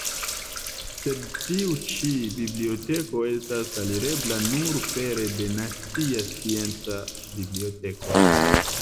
Sed tiu ĉi biblioteko estas alirebla nur pere de nacia scienca biblioteko.